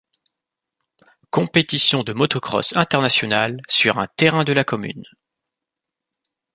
Compétition de moto-cross international sur un terrain de la commune.